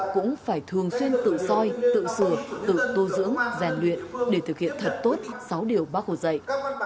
cũng phải thường xuyên tự soi tự sửa tự tu dưỡng rèn luyện để thực hiện thật tốt sáu điều bác hồ dạy